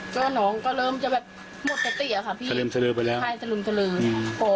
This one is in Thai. ก็น้องก็เริ่มจะแบบหมดเตะเตี๋ยวค่ะพี่สะลืมสะลือไปแล้วใช่สะลืมสะลืออืม